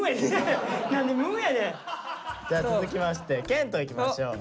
じゃあ続きまして謙杜いきましょう。